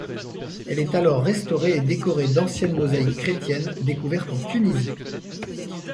Elle est alors restaurée et décorée d’anciennes mosaïques chrétiennes découvertes en Tunisie.